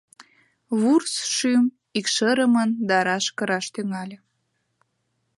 Вурс шӱм икшырымын да раш кыраш тӱҥале.